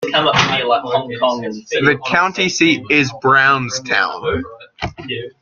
The county seat is Brownstown.